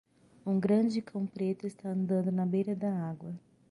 Um grande cão preto está andando na beira da água.